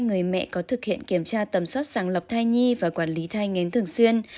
người mẹ có thực hiện kiểm tra tầm soát sàng lọc thai nhi và quản lý thai ngến thường xuyên